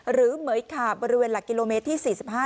เหมือยขาบบริเวณหลักกิโลเมตรที่๔๕